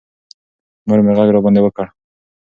مور مې غږ راباندې وکړ.